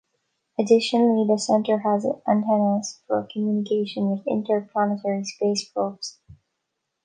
Additionally, the center has antennas for communication with interplanetary space probes.